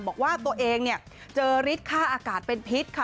บอกว่าตัวเองเนี่ยเจอฤทธิค่าอากาศเป็นพิษค่ะ